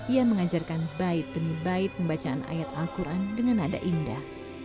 ia mengajarkan baik demi baik pembacaan ayat al quran dengan nada indah